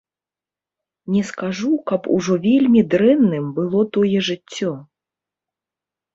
Не скажу, каб ужо вельмі дрэнным было тое жыццё.